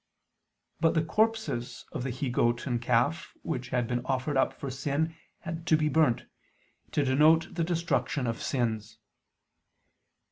But the corpses of the he goat and calf which had been offered up for sin had to be burnt, to denote the destruction of sins.